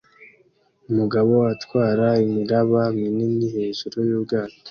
Umugabo atwara imiraba minini hejuru yubwato